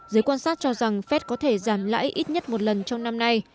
giới quan sát cho rằng fed có thể giảm lãi ít nhất một lần trong năm nay